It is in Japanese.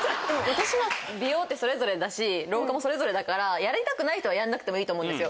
私は美容ってそれぞれだし老化もそれぞれだからやりたくない人はやんなくてもいいと思うんですよ。